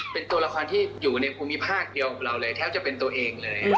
เป็นตัวละครที่อยู่ในภูมิภาคเดียวกับเราเลยแทบจะเป็นตัวเองเลย